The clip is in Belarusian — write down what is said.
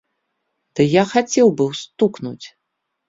Ды я хацеў быў стукнуць!